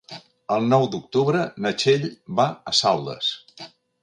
El nou d'octubre na Txell va a Saldes.